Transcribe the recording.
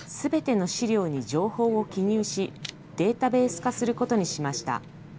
すべての資料に情報を記入し、データベース化することにしました。